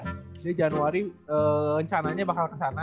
jadi januari eee rencananya bakal ke sana